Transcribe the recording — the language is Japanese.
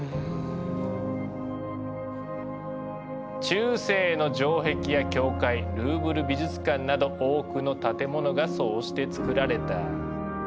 中世の城壁や教会ルーブル美術館など多くの建物がそうしてつくられた。